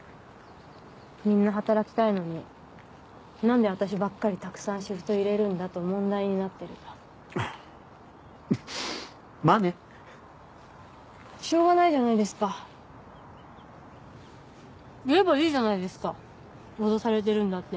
みんな働きたいのになんで私ばっかりたくさんシフト入れるんだと問題になってるとまあねしょうがないじゃないですか言えばいいじゃないですか脅されてるんだって